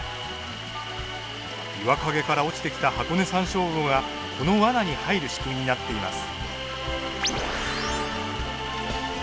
岩陰から落ちてきたハコネサンショウウオがこのわなに入る仕組みになっています。